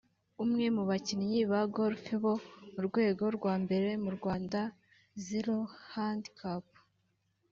umwe mu bakinnyi ba Golf bo mu rwego rwa mbere mu Rwanda ( Zero Handicap)